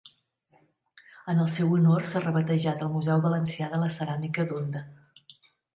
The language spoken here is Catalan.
En el seu honor s'ha rebatejat el museu valencià de la ceràmica d'Onda.